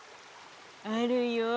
あるよ。